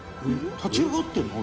立ち上がってるの？